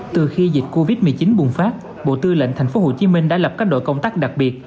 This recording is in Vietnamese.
từ khi dịch covid một mươi chín bùng phát bộ tư lệnh tp hcm đã lập các đội công tác đặc biệt